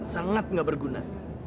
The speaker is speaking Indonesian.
sangat gak berguna